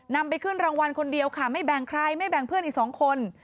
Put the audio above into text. นำไปขึ้นรางวัลคนเดียวค่ะไม่แบ่งใครไม่แบ่งเพื่อนอีกสองคน